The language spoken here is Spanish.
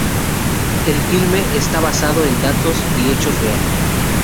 El filme está basado en datos y hechos reales.